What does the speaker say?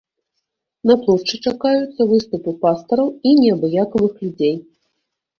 На плошчы чакаюцца выступы пастараў і неабыякавых людзей.